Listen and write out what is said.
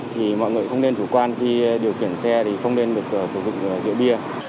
thì mọi người không nên chủ quan khi điều khiển xe thì không nên được sử dụng rượu bia